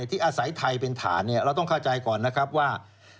ที่อาศัยไทยเป็นฐานเราต้องเข้าใจก่อนนะครับว่า